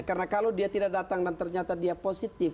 karena kalau dia tidak datang dan ternyata dia positif